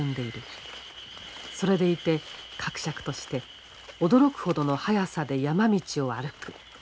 それでいてかくしゃくとして驚くほどのはやさで山道を歩く。